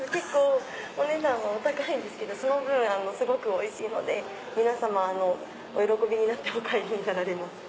お値段はお高いんですけどその分すごくおいしいので皆さまお喜びになってお帰りになられます。